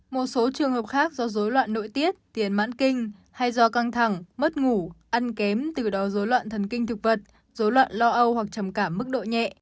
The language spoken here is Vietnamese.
một số trường hợp khác do dối loạn nội tiết tiền mãn kinh hay do căng thẳng mất ngủ ăn kém từ đó dối loạn thần kinh thực vật dối loạn lo âu hoặc trầm cảm mức độ nhẹ